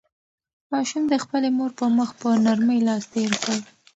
ماشوم د خپلې مور په مخ په نرمۍ لاس تېر کړ.